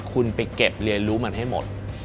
คุณไปเก็บเรียนรู้มันให้หมด